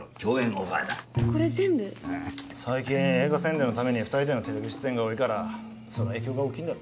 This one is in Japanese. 最近映画宣伝のために２人でのテレビ出演が多いからその影響が大きいんだろ。